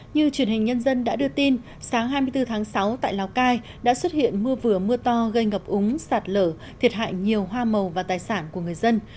như truyền hình nhân dân đã đưa tin sáng hai mươi bốn tháng sáu tại lào cai đã xuất hiện mưa vừa mưa to gây ngập úng sạt lở thiệt hại nhiều hoa màu và tài sản của người dân